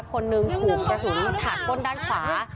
คนหนึ่งถูกกระสุนถาดก้นด้านขวา